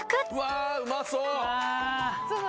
うわぁうまそう！